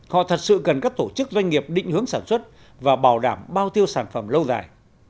họ thật sự cần các tổ chức doanh nghiệp định hướng sản xuất và bảo đảm bao tiêu sản phẩm lâu dài